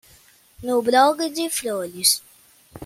No blog de flores